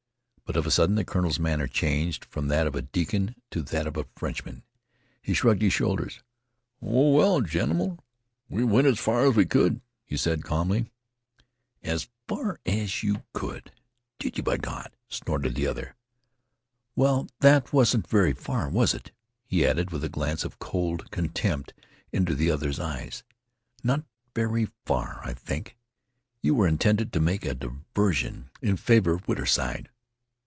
But of a sudden the colonel's manner changed from that of a deacon to that of a Frenchman. He shrugged his shoulders. "Oh, well, general, we went as far as we could," he said calmly. "As far as you could? Did you, b'Gawd?" snorted the other. "Well, that wasn't very far, was it?" he added, with a glance of cold contempt into the other's eyes. "Not very far, I think. You were intended to make a diversion in favor of Whiterside.